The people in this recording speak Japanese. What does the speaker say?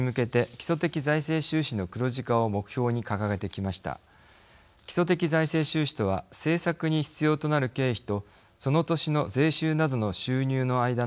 基礎的財政収支とは政策に必要となる経費とその年の税収などの収入の間の収支です。